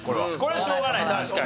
これはしょうがない確かに。